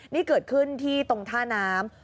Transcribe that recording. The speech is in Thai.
นี่เกิดขึ้นที่ตรงท่าน้ำ